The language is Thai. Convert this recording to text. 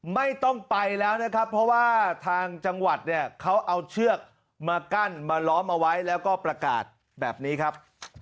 ไม่ต้องไปแล้วนะครับเพราะว่าทางจังหวัดเนี่ยเขาเอาเชือกมากั้นมาล้อมเอาไว้แล้วก็ประกาศแบบนี้ครับ